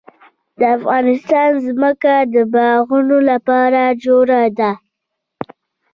د افغانستان ځمکه د باغونو لپاره جوړه ده.